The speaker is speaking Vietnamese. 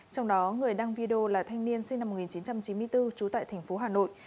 trong đó người đăng video là thanh niên sinh năm một nghìn chín trăm chín mươi bốn trú tại thành phố hà nội